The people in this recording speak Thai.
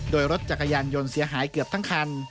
โดยรถจักรยานยนต์เสียหายเกือบทั้งคัน